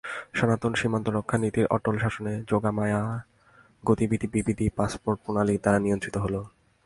সনাতন সীমান্ত-রক্ষা-নীতির অটল শাসনে যোগমায়ার গতিবিধি বিবিধ পাসপোর্ট প্রণালীর দ্বারা নিয়ন্ত্রিত হল।